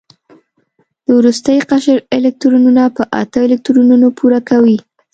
د وروستي قشر الکترونونه په اته الکترونونو پوره کوي.